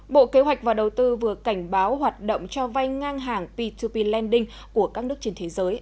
bộ kế hoạch và đầu tư vừa cảnh báo hoạt động cho vai ngang hàng p hai p lending của các nước trên thế giới